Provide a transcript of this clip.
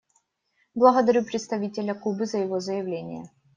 Благодарю представителя Кубы за его заявление.